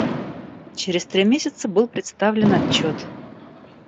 Через три месяца был представлен отчет.